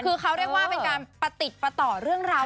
คือเขาเรียกว่าเป็นการประติดประต่อเรื่องราว